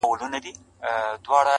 o زه چـي په باندي دعوه وكړم؛